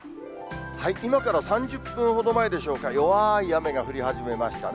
今から３０分ほど前でしょうか、弱ーい雨が降り始めましたね。